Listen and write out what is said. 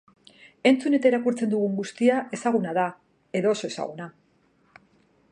Entzun eta irakurtzen dugun guztia ezaguna da, edo oso ezaguna.